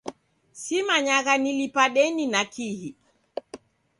Simanyagha nilipa deni na kihi